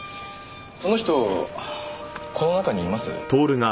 その人この中にいます？